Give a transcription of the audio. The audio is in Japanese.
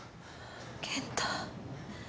健太。